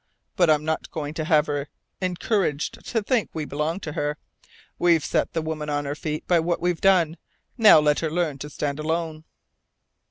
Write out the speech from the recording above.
But I'm not going to have her encouraged to think we belong to her. We've set the woman on her feet by what we've done. Now let her learn to stand alone."